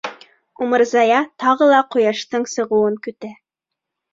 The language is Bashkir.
Умырзая тағы ла ҡояштың сығыуын көтә.